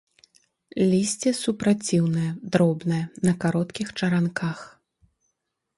Лісце супраціўнае, дробнае, на кароткіх чаранках.